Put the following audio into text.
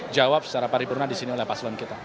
jawab secara pari parna disini oleh pasangan kita